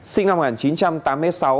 sinh năm một nghìn chín trăm tám mươi sáu